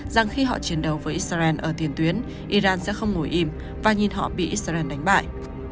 rằng khi họ chiến đấu với israel ở tiền tuyến iran sẽ không ngồi im và nhìn họ bị israel đánh bại